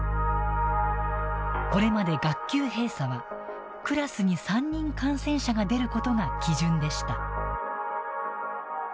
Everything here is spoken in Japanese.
これまで学級閉鎖はクラスに３人感染者が出ることが基準でした。